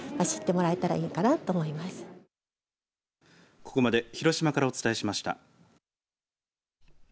ここまで広島からお伝えしました。